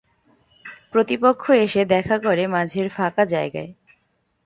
প্রতিপক্ষ এসে দেখা করে মাঝের ফাঁকা জায়গায়।